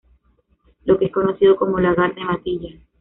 Lo que es conocido como Lagar de Matilla.